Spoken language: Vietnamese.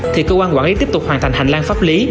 thì cơ quan quản lý tiếp tục hoàn thành hành lang pháp lý